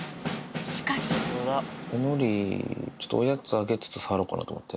のり、ちょっとおやつあげつつ触ろうかなと思って。